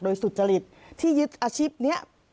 โดยสุทธิสตริดที่ยึดอาชีพเป็นอาชีพหลัก